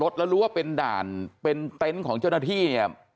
แต่ว่าแล้วเบอร์หานี้อะ